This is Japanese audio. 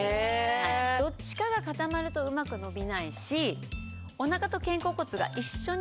どっちかが固まるとうまく伸びないし。